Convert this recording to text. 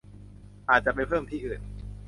อาจจะไปเพิ่มที่อื่น